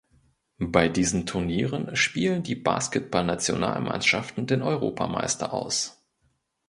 Bei diesen Turnieren spielen die Basketball-Nationalmannschaften den Europameister aus.